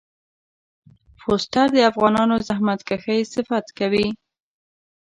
فورسټر د افغانانو زحمت کښی صفت کوي.